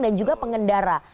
dan juga pengendara